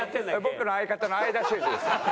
僕の相方の相田周二です。